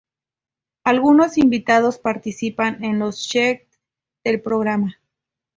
Algunos invitados participan en los sketch del programa.